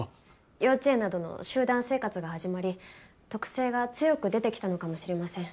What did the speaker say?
幼稚園などの集団生活が始まり特性が強く出てきたのかもしれません。